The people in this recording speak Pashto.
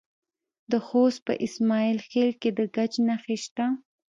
د خوست په اسماعیل خیل کې د ګچ نښې شته.